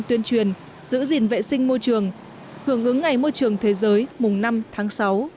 tuyên truyền giữ gìn vệ sinh môi trường hưởng ứng ngày môi trường thế giới mùng năm tháng sáu